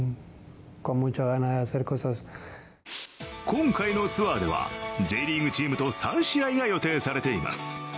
今回のツアーでは、Ｊリーグチームと３試合が予定されています。